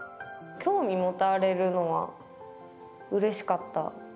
興味持たれるのはうれしかった。